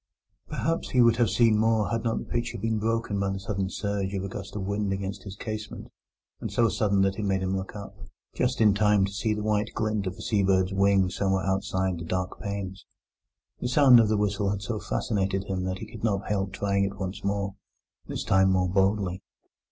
Perhaps he would have seen more had not the picture been broken by the sudden surge of a gust of wind against his casement, so sudden that it made him look up, just in time to see the white glint of a seabird's wing somewhere outside the dark panes. The sound of the whistle had so fascinated him that he could not help trying it once more, this time more boldly.